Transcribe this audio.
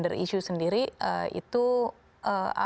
memang ini pr sangat besar